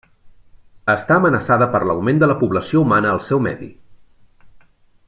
Està amenaçada per l'augment de la població humana al seu medi.